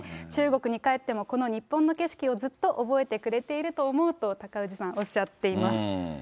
中国に帰っても、この日本の景色をずっと覚えてくれていると思うと、高氏さん、おっしゃっています。